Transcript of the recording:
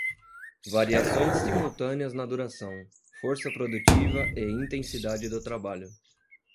Variações simultâneas na duração, força produtiva e intensidade do trabalho